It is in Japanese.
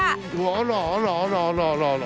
あらあらあらあらあらあら。